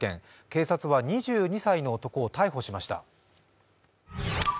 警察は２２歳の男を逮捕しました。